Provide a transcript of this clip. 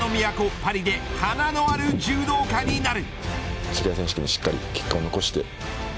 パリで華のある柔道家になる。